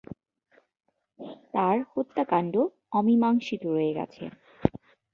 তার হত্যাকাণ্ড অমীমাংসিত রয়ে গেছে।